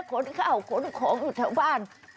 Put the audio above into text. ขนข้าวขนของอยู่แถวบ้าน